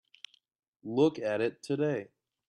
Look at it today.